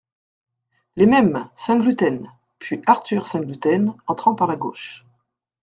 Les mêmes, Saint-Gluten ; puis Arthur Saint-Gluten , entrant par la gauche.